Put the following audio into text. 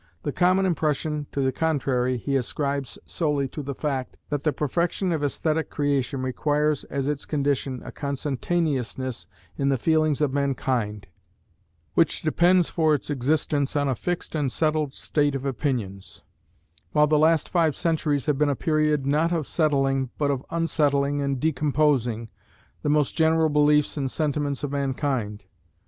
The common impression to the contrary he ascribes solely to the fact, that the perfection of aesthetic creation requires as its condition a consentaneousness in the feelings of mankind, which depends for its existence on a fixed and settled state of opinions: while the last five centuries have been a period not of settling, but of unsettling and decomposing, the most general beliefs and sentiments of mankind.